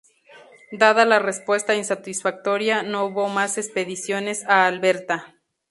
Dada la respuesta insatisfactoria, no hubo más expediciones a Alberta.